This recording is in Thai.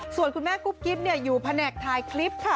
ส่วนคุณแม่กุ๊บกิ๊บอยู่แผนกถ่ายคลิปค่ะ